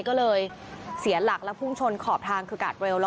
ก็เลยเสียหลักและพุ่งชนขอบทางคือกาดเร็ว